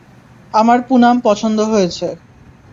আমার পুনাম পছন্দ হয়েছে।